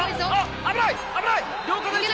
危ない、危ない。